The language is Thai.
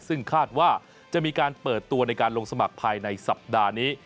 ซึ่งคาดว่าจะมีการเปิดตัวในการลงสมัครภายในสัปดาห์นี้